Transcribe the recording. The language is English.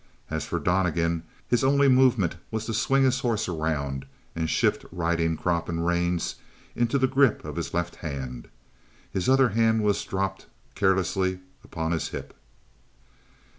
As for Donnegan, his only movement was to swing his horse around and shift riding crop and reins into the grip of his left hand. His other hand was dropped carelessly upon his hip.